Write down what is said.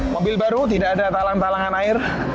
mobil baru tidak ada talang talangan air